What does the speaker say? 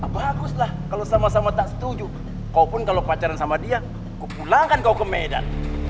baguslah kalau sama sama tak setuju kau pun kalau pacaran sama dia kau pulangkan kau ke medan